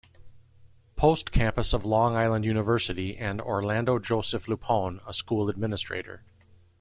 Post Campus of Long Island University, and Orlando Joseph LuPone, a school administrator.